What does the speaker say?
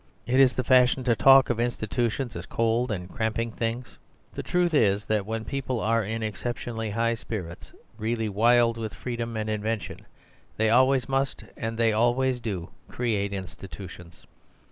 It is the fashion to talk of institutions as cold and cramping things. The truth is that when people are in exceptionally high spirits, really wild with freedom and invention, they always must, and they always do, create institutions.